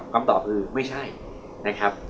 คำตอบคือไม่ใช่นะครับ